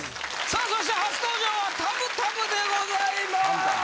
さあそして初登場はたむたむでございます。